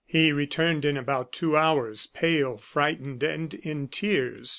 He returned in about two hours, pale, frightened, and in tears.